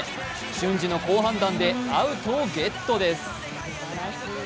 瞬時の好判断でアウトをゲットです。